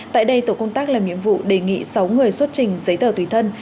tại đây tổ công tác làm nhiệm vụ đề nghị sáu người xuất trình giấy tờ tùy thân